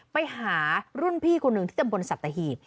ไปหารุ่นพี่คนหนึ่งที่ตำบลสัตหีบ